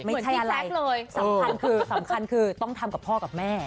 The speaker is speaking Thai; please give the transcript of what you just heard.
ไม่ใช่อะไรสำคัญคือต้องทำกับพ่อกับแม่